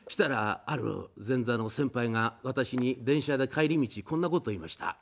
ある前座の先輩、私に電車の帰り道こんなことを言いました。